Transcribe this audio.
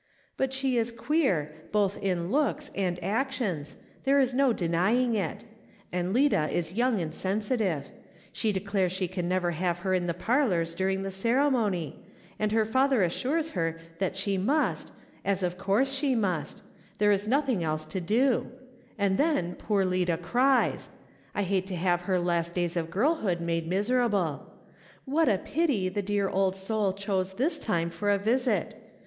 99 — but she is queer, both in looks and actions, there is no denying it ; and Lida is young and sensitive ; she declares she can never have her in the parlours during the ceremony, and her father assures her tliat she must, as of course she must — there is nothing else to do ; and then poor Lida cries ; I hate to have her last days of girlhood made miserable. "Wliat a pity the dear old soul chose this time for a visit